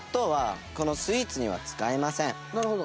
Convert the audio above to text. なるほど。